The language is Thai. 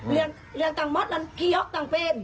เรียงต่างมัดก็คียกต่างเป็น